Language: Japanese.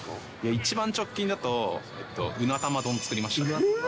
一番直近だと、うな玉丼作りました。